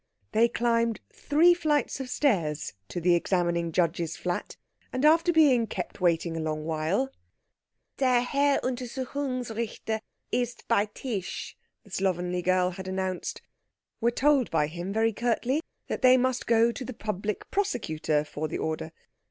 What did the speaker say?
They climbed three flights of stairs to the Examining Judge's flat, and after being kept waiting a long while "Der Herr Untersuchungsrichter ist bei Tisch," the slovenly girl had announced were told by him very curtly that they must go to the Public Prosecutor for the order.